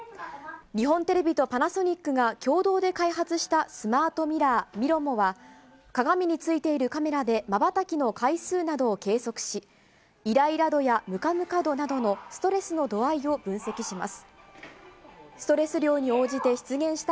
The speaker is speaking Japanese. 日本テレビとパナソニックが共同で開発したスマートミラー、ミロモは、鏡についているカメラで瞬きの回数などを計測し、イライラ度やムカムカ度などのストレスの度合いを分析します。